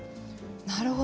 なるほど。